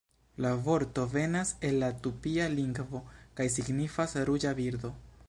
La vorto venas el la tupia lingvo kaj signifas "ruĝa birdo".